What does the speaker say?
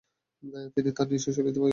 তিনি তার নিজস্ব শৈলীতে প্রয়োগ করেন।